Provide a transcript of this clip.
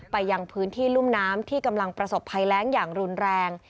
ไปยังพื้นที่รุ่มน้ำที่กำลังประสบภัยแรงอย่างรุนแรง